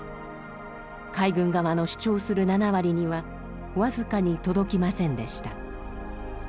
海軍側の主張する７割には僅かに届きませんでした。